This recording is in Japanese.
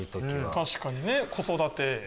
確かにね子育て。